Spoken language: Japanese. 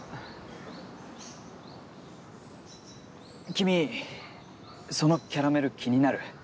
君そのキャラメル気になる？